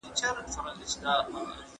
اسلام د پوهې لپاره محدودیت نه لګوي.